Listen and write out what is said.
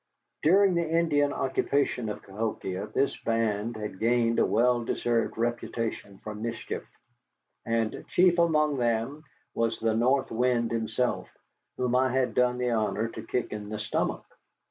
During the Indian occupation of Cahokia this band had gained a well deserved reputation for mischief; and chief among them was the North Wind himself, whom I had done the honor to kick in the stomach.